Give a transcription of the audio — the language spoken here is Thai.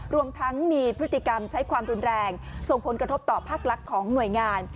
รวมทั้งมีพฤติกรรมใช้ความรุนแรงส่งผลกระทบต่อภาคลักษณ์ของหน่วยงาน